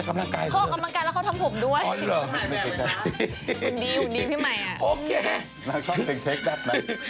น้ำชอบเพลงเทคดับหน่อย